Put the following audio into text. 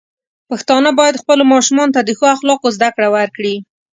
پښتانه بايد خپلو ماشومانو ته د ښو اخلاقو زده کړه ورکړي.